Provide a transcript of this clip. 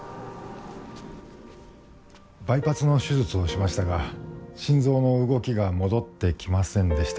バイパスの手術をしましたが心臓の動きが戻ってきませんでした。